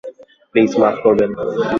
Please, মাফ করবেন।